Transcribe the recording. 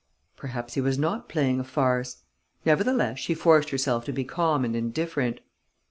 Perhaps he was not playing a farce. Nevertheless she forced herself to be calm and indifferent.